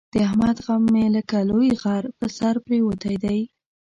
د احمد غم مې لکه لوی غر په سر پرېوتی دی.